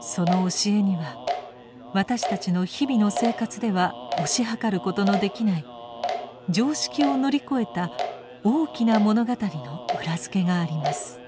その教えには私たちの日々の生活では推し量ることのできない常識を乗り越えた大きな物語の裏付けがあります。